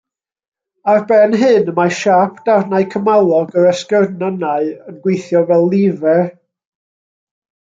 Ar ben hyn y mae siâp darnau cymalog yr esgyrnynnau yn gweithio fel lifer.